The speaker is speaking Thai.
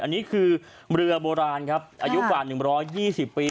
อันนี้คือเรือโบราณครับอายุกว่า๑๒๐ปี